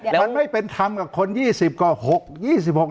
มันไม่เป็นทำกับคนยี่สิบกว่าหก